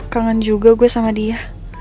kangen juga gue sama dia